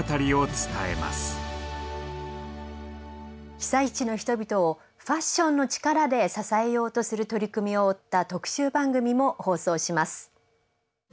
被災地の人々をファッションの力で支えようとする取り組みを追った特集番組も放送します。